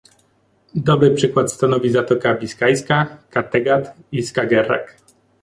Dobry przykład stanowi Zatoka Biskajska, Kattegat i Skagerrak